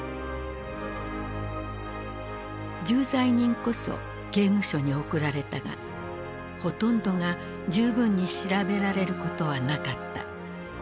重罪人こそ刑務所に送られたがほとんどが十分に調べられることはなかった。